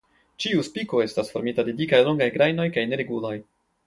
Ĉiu spiko estas formita de dikaj longaj grajnoj kaj neregulaj.